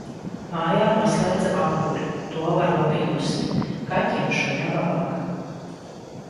Mājā noslēdza apkuri, to var labi just. Kaķim šodien labāk.